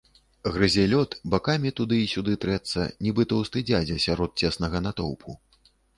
Грызе лёд, бакамі туды і сюды трэцца, нібы тоўсты дзядзя сярод цеснага натоўпу.